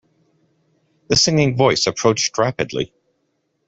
The singing voice approached rapidly.